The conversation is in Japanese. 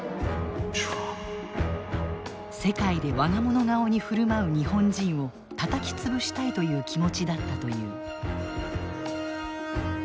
世界で我が物顔に振る舞う日本人をたたき潰したいという気持ちだったという。